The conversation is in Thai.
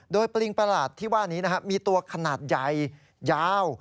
โดยปลิงประหลาดที่ว่านี้มีตัวขนาดใหญ่ยาว